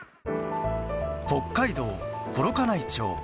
北海道幌加内町。